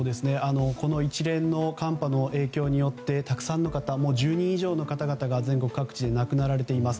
一連の寒波の影響によってたくさんの方１０人以上の方々が全国各地で亡くなっています。